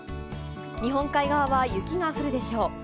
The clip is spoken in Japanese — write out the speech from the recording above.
日本海側は雪が降るでしょう。